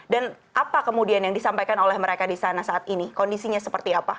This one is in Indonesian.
dan apa kemudian yang disampaikan oleh mereka di sana saat ini kondisinya seperti apa